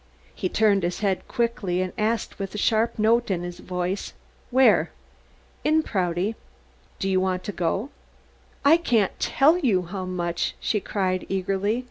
He turned his head quickly and asked with a sharp note in his voice: "Where?" "In Prouty." "Do you want to go?" "I can't tell you how much!" she cried eagerly.